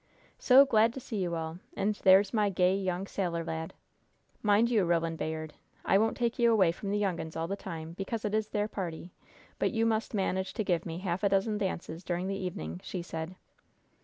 "So glad to see you all! And there's my gay, young sailor lad! Mind you, Roland Bayard, I won't take you away from the young uns all the time, because it is their party, but you must manage to give me half a dozen dances during the evening," she said.